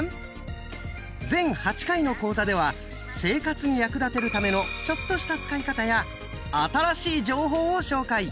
全８回の講座では生活に役立てるためのちょっとした使い方や新しい情報を紹介。